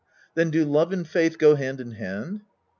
Then do love and faith go hand in hand